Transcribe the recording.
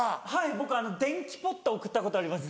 僕電気ポット贈ったことあります。